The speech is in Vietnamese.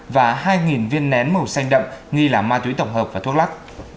và hai viên nén màu xanh đậm nghi là ma túy tổng hợp và thuốc lắc